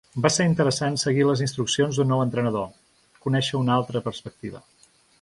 Va ser interessant seguir les instruccions d’un nou entrenador, conèixer una altra perspectiva.